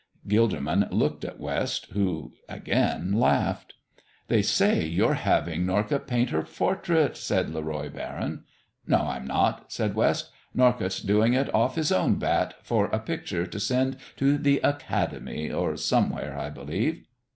Gilderman looked at West, who again laughed. "They say you're having Norcott paint her portrait," said Le Roy Barron. "No, I'm not," said West. "Norcott's doing it off his own bat, for a picture to send to the Academy or somewhere, I believe."